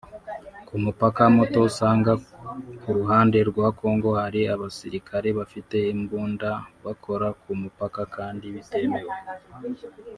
Ku mupaka muto usanga ku ruhande rwa Congo hari abasirikare bafite imbunda bakora ku mupaka kandi bitemewe